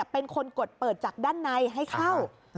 เป็นคนกดเปิดจากด้านในให้เข้า